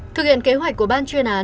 thực hiện kế hoạch của ban chuyên án